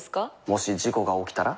もし事故が起きたら？